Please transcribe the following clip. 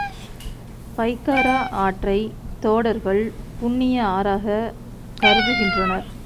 பைக்காரா ஆற்றைத் தோடர்கள் புண்ணிய ஆறாகக் கருதுகின்றனர்.